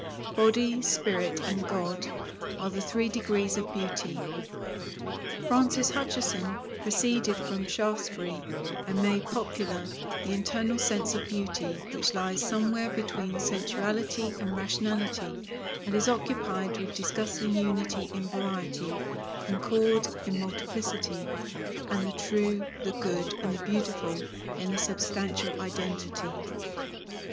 Body, spirit, and God are the three degrees of beauty. Francis Hutcheson proceeded from Shaftesbury and made popular "the internal sense of beauty, which lies somewhere between sensuality and rationality and is occupied with discussing unity in variety, concord in multiplicity, and the true, the good, and the beautiful in their substantial identity."